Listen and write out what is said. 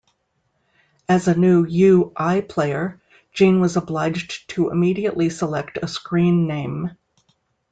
As a new U-I player, Gene was obliged to immediately select a screen name.